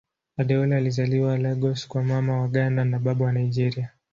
Adeola alizaliwa Lagos kwa Mama wa Ghana na Baba wa Nigeria.